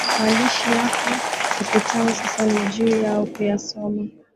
maandishi yako ukutani sasa ni juu yao kuyasoma